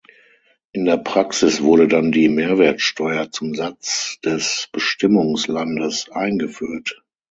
In der Praxis wurde dann die Mehrwertsteuer zum Satz des Bestimmungslandes eingeführt.